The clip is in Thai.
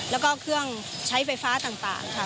แล้วก็เครื่องใช้ไฟฟ้าต่างค่ะ